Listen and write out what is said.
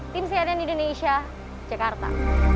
tim siaran indonesia jakarta